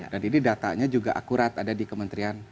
dan ini datanya juga akurat ada di kementerian